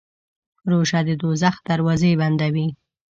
روژه د دوزخ دروازې بندوي.